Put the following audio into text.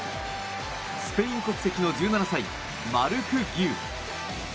スペイン国籍の１７歳マルク・ギウ。